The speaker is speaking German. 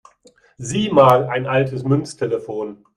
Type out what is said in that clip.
Sieh mal, ein altes Münztelefon!